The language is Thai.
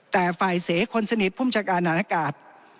แต่ฝ่ายเสกคนสนิทผู้มจากการธนาธิการ